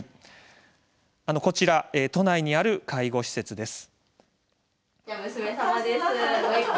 こちら、都内にある介護施設です。